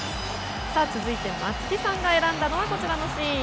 続いて松木さんが選んだのはこちらのシーン。